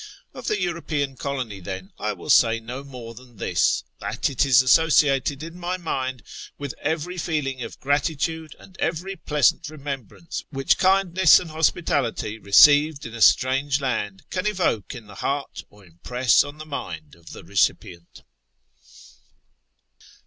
Of the European colony, then, I will say no more than this, that it is associated in my mind with every feeling of gratitude and every pleasant remembrance which kindness and hospitality received in a strange land can evoke in the heart or impress on the mind of the recipient.